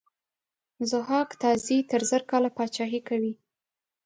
ضحاک تازي تر زر کاله پاچهي کوي.